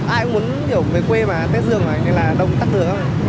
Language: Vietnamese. ai cũng muốn hiểu về quê mà tết dương này nên là đông tắc lửa